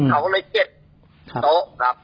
เขาก็เลยเก็บโต๊ะครับ